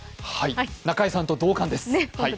中居さんと同感です。